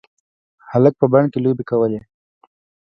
هلک په بڼ کې لوبې کوي.